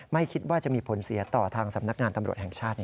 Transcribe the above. ไม่คิดว่าจะมีผลเสียต่อทางสำนักงานตำรวจแห่งชาติ